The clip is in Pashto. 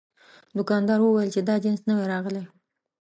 دوکاندار وویل چې دا جنس نوی راغلی.